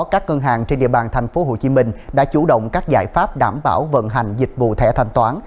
các ngân hàng trên địa bàn tp hcm đã chủ động các giải pháp đảm bảo vận hành dịch vụ thẻ thanh toán